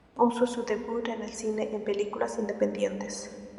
Robin hizo su debut en el cine en películas independientes.